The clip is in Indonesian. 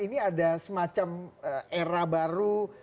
ini ada semacam era baru